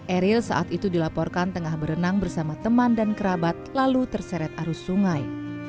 eril saat itu dilaporkan tengah berenang bersama teman dan kerabat lalu terseret arus sungai